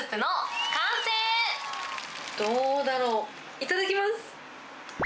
いただきます。